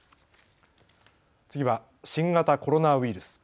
次は新型コロナウイルス。